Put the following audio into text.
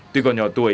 tuy còn nhỏ tuổi